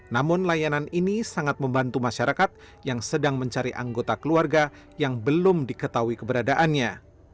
namun layanan ini sangat membantu masyarakat yang sedang mencari anggota keluarga yang belum diketahui keberadaannya